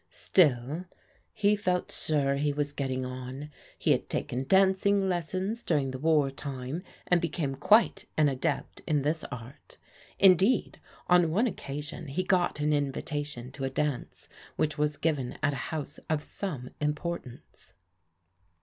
Still, he felt sure he was getting on. He had taken dancing lessons during the war time and became quite an adept in this art. Indeed on one occasion he got an invitation to a dance which was given at a house of some importance.